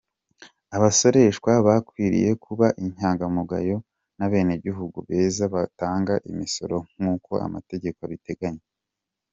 Abasoreshwa bakwiriye kuba inyangamugayo n’abenegihugu beza batanga imisoro nk’uko amategeko abiteganya."